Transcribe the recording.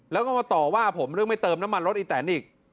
แล้วก็มาต่อว่าผมเรื่องไม่เติมน้ำมันรถอีแตนอีก